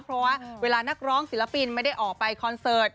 เพราะว่าเวลานักร้องศิลปินไม่ได้ออกไปคอนเสิร์ต